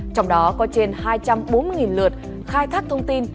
trong đó có trên hai trăm bốn mươi lượt khai thác thông tin